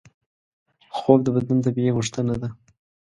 خوب د بدن طبیعي غوښتنه ده